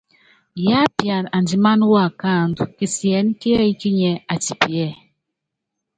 Yiápian andimáná uákáandú, kisiɛ́nɛ́ kíɛ́yi kínyiɛ́ atipiɛ́.